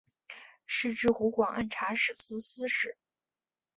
仕至湖广按察使司副使。